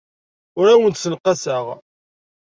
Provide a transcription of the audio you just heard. Ur awen-d-ssenqaseɣ.